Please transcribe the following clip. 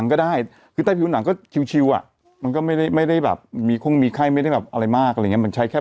อันนี้เรื่องจริงกำไรอืมที่เราควรจะได้